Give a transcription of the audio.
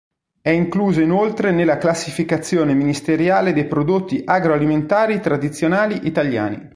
È incluso inoltre nella classificazione ministeriale dei Prodotti agroalimentari tradizionali italiani.